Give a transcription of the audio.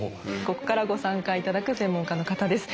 ここからご参加頂く専門家の方です。